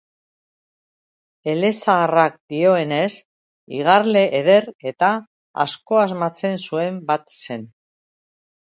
Elezaharrak dioenez, igarle eder eta asko asmatzen zuen bat zen.